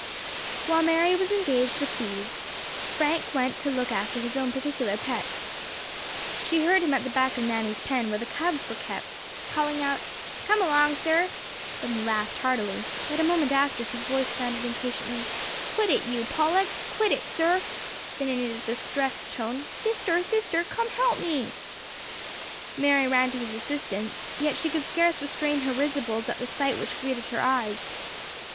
While Mary was engaged with these, Frank went to look after his own particular pets. She heard him at the back of Nanny's pen, where the cubs were kept, calling out, "Come along, sir!" then he laughed heartily, but a moment after his voice sounded impatiently, "Quit it, you Pollux! quit it, sir!" then in a distressed tone, "Sister, sister, come help me!" Mary ran to his assistance, yet she could scarce restrain her risibles at the sight which greeted her eyes.